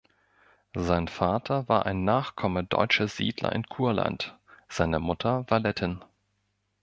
Sein Vater war ein Nachkomme deutscher Siedler in Kurland, seine Mutter war Lettin.